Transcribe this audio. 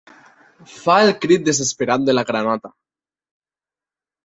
Fa el crit desesperat de la granota.